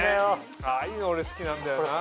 ああいうの俺好きなんだよな。